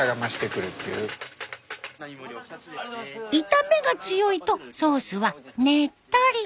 炒めが強いとソースはねっとり。